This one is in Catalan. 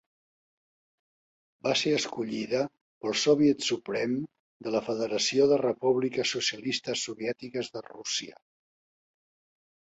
Va ser escollida pel Soviet Suprem de la Federació de Repúbliques Socialistes Soviètiques de Rússia.